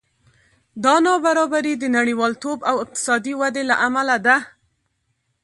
دا نابرابري د نړیوالتوب او اقتصادي ودې له امله ده